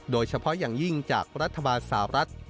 โดยเฉพาะอย่างยิ่งจากรัฐบาลสาวรัฐ